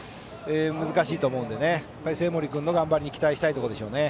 難しいと思うので生盛君の頑張りに期待したいところでしょうね。